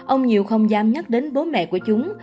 ông nhiều không gian nhắc đến bố mẹ của chúng